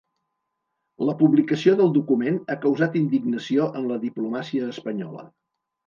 La publicació del document ha causat indignació en la diplomàcia espanyola.